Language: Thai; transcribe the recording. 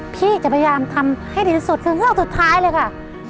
พี่จะพยายามทำให้ดีที่สุดคือเงือกสุดท้ายเลยค่ะ